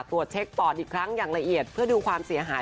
ตรวจเช็คปอดอีกครั้งอย่างละเอียดเพื่อดูความเสียหาย